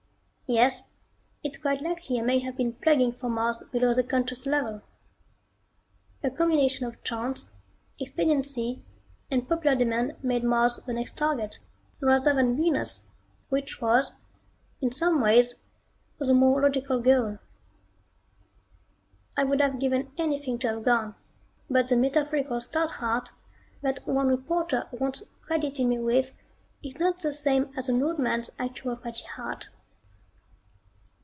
Yes, it's quite likely I may have been plugging for Mars below the conscious level. A combination of chance, expediency and popular demand made Mars the next target, rather than Venus, which was, in some ways, the more logical goal. I would have given anything to have gone, but the metaphorical stout heart that one reporter once credited me with is not the same as an old man's actual fatty heart.